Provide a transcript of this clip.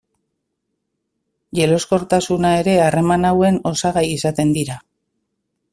Jeloskortasuna ere harreman hauen osagai izaten dira.